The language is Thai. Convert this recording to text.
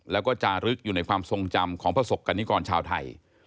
แล้วก็จารึกอยู่ในความทรงจำของประสบกรณิกรชาวไทย